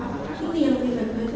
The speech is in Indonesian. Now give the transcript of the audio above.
apakah ini yang tidak berhenti